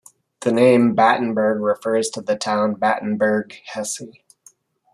The name Battenberg refers to the town Battenberg, Hesse.